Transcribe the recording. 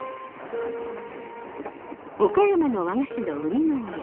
岡山の和菓子の生みの親